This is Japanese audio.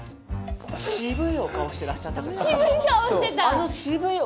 渋いお顔してらっしゃったじゃない。